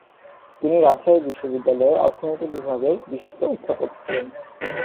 তিনি রাজশাহী বিশ্ববিদ্যালয়ের অর্থনীতি বিভাগের বিশিষ্ট অধ্যাপক ছিলেন।